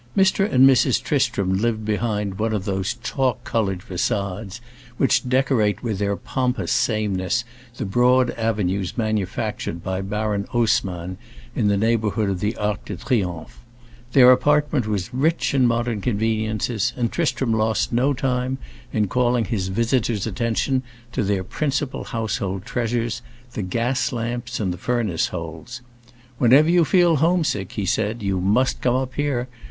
Mr. and Mrs. Tristram lived behind one of those chalk colored façades which decorate with their pompous sameness the broad avenues manufactured by Baron Haussmann in the neighborhood of the Arc de Triomphe. Their apartment was rich in the modern conveniences, and Tristram lost no time in calling his visitor's attention to their principal household treasures, the gas lamps and the furnace holes. "Whenever you feel homesick," he said, "you must come up here.